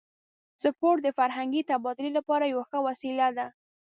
سپورت د فرهنګي تبادلې لپاره یوه ښه وسیله ده.